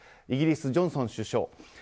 イギリス、ジョンソン首相。